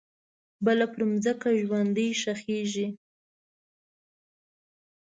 بله پرمځکه ژوندۍ ښخیږې